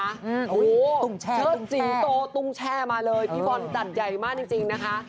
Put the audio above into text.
โอ้โหตุ้งแช่เชิดสิงโตตุ้งแช่มาเลยพี่บอลจัดใหญ่มากจริงนะคะ